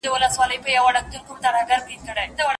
لارښود باید مخکې له مخکې علمي مقالې لیکلې وي.